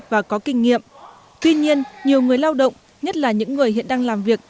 và có kinh nghiệm tuy nhiên nhiều người lao động nhất là những người hiện đang làm việc